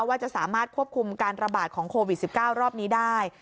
ว่าจะสามารถควบคุมการระบาดของโควิด๑๙รอบนี้ได้